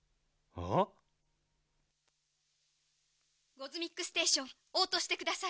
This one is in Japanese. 「ゴズミックステーションおうとうしてください。